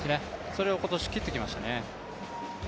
それを今年、切ってきましたね。